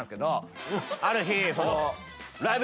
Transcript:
ある日。